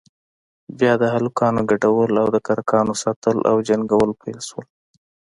بيا د هلکانو گډول او د کرکانو ساتل او جنگول پيل سول.